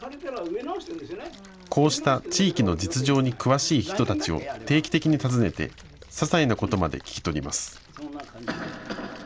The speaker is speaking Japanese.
こうした地域の実情に詳しい人たちを定期的に訪ねてささいなことまで聞き取ります。